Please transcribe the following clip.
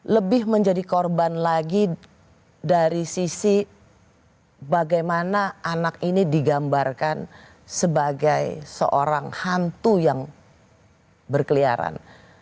lebih menjadi korban lagi dari sisi bagaimana anak ini digambarkan sebagai seorang hantu yang berkeliaran